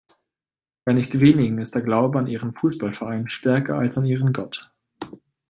Bei nicht wenigen ist der Glaube an ihren Fußballverein stärker als an ihren Gott.